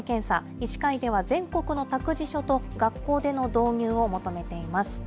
医師会では全国の託児所と学校での導入を求めています。